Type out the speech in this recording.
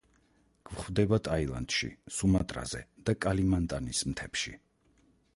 გვხვდება ტაილანდში, სუმატრაზე და კალიმანტანის მთებში.